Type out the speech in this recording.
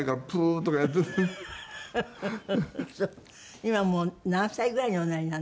今もう何歳ぐらいにおなりなんですか？